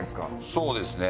そうですね。